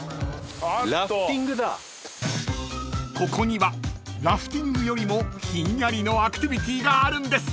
［ここにはラフティングよりもひんやりのアクティビティーがあるんです］